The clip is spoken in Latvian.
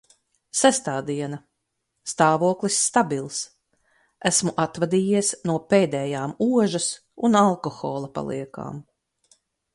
Sestā diena. stāvoklis stabils. esmu atvadījies no pēdējām ožas un alkohola paliekām.